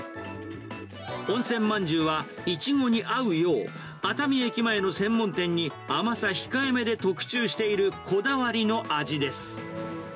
温泉まんじゅうはイチゴに合うよう、熱海駅前の専門店に甘さ控えめで特注している、こだわりの味です。